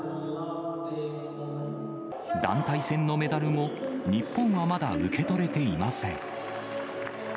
団体戦のメダルも、日本はまだ受け取れていません。